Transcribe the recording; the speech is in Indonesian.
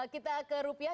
kita ke rupiah